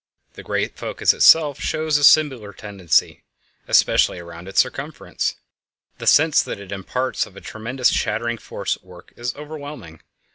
The great focus itself shows a similar tendency, especially around its circumference. The sense that it imparts of a tremendous shattering force at work is overwhelming.